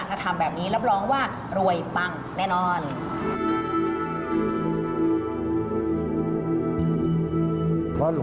ถ้าทำแบบนี้รับรองว่ารวยปังแน่นอน